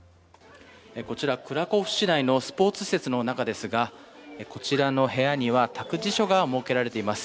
こちらクラクフ市内のスポーツ施設の中ですがこちらの部屋には託児所が設けられています。